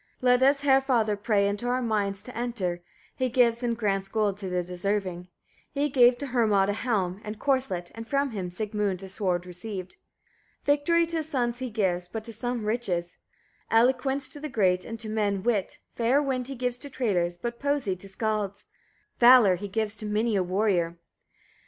2. Let us Heriafather pray into our minds to enter, he gives and grants gold to the deserving. He gave to Hermod a helm and corslet, and from him Sigmund a sword received. 3. Victory to his sons he gives, but to some riches; eloquence to the great, and to men, wit; fair wind he gives to traders, but poesy to skallds; valour he gives to many a warrior.